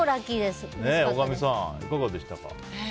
大神さん、いかがでしたか？